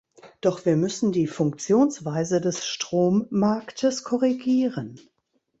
Doch wir müssen die Funktionsweise des Strommarktes korrigieren.